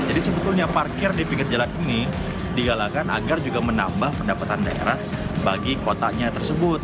jadi sebetulnya parkir di pinggir jalan ini digalakan agar juga menambah pendapatan daerah bagi kotanya tersebut